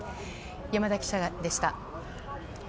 山田記者でした。